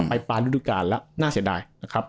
ไปปลารุดการแล้วน่าเสียดาย